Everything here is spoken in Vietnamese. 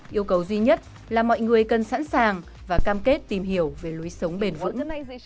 yêu cầu duy nhất là mọi người cần sẵn sàng và cam kết tìm hiểu về lối sống bền vững